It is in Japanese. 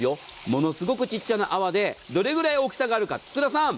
ものすごくちっちゃな泡でどれぐらい大きさがあるか福田さん。